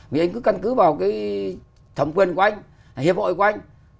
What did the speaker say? vì anh cứ căn cứ vào cái thẩm quyền của anh hiệp hội của anh